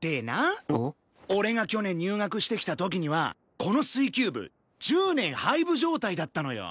でな俺が去年入学してきた時にはこの水球部１０年廃部状態だったのよ。